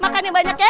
makan yang banyak ya